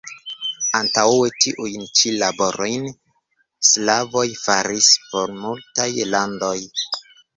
Antaŭe tiujn ĉi laborojn sklavoj faris por multaj landoj.